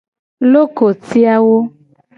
Lokoti awo.